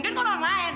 dia kan orang lain